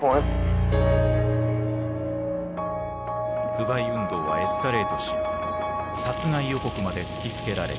不買運動はエスカレートし殺害予告まで突きつけられた。